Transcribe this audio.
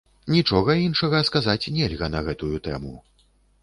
Нічога іншага сказаць нельга на гэтую тэму.